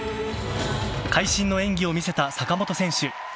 会心の演技を見せた坂本選手。